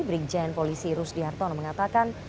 brig jain polisi rusdi hartono mengatakan